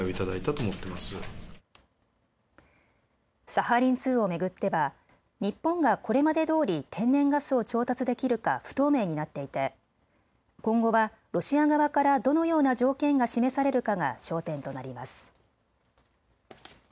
サハリン２を巡っては日本がこれまでどおり天然ガスを調達できるか不透明になっていて今後はロシア側からどのような条件が示されるかが焦点となります。